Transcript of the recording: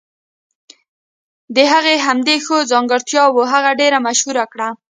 د هغې همدې ښو ځانګرتياوو هغه ډېره مشهوره کړه.